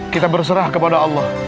kita berserah kepada allah